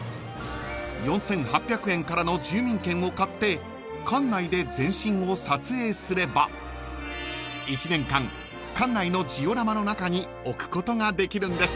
［４，８００円からの住民権を買って館内で全身を撮影すれば１年間館内のジオラマの中に置くことができるんです］